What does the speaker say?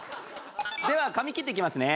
では髪切っていきますね。